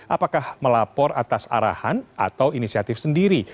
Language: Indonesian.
apakah melapor atas arahan atau inisiatif sendiri